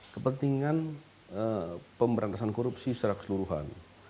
kepentingan pemberantasan korupsi secara keseluruhan